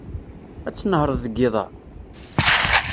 Ad tnehṛeḍ deg yiḍ-a?